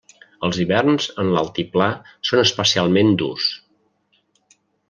Els hiverns en l'altiplà són especialment durs.